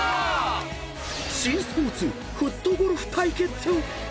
［新スポーツフットゴルフ対決］